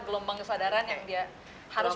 gelombang kesadaran yang dia harus